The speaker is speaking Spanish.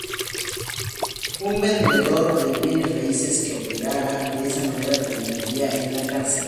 Un vendedor de bienes raíces que operara de esa manera terminaría en la cárcel".